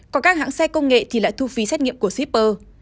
còn các hãng xe công nghệ thì lại thu phí xét nghiệm của shipper